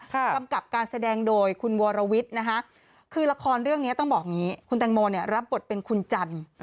กำกับการแสดงโดยคุณวรวิทย์นะคะคือละครเรื่องนี้ต้องบอกอย่างนี้คุณแตงโมเนี่ยรับบทเป็นคุณจันทร์